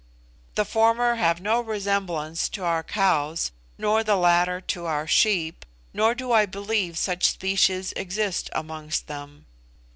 The former have no resemblance to our cows, nor the latter to our sheep, nor do I believe such species exist amongst them.